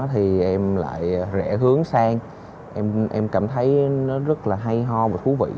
thì em lại rẻ hướng sang em cảm thấy nó rất là hay ho và thú vị